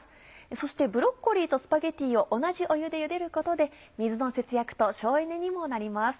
そしてブロッコリーとスパゲティを同じ湯でゆでることで水の節約と省エネにもなります。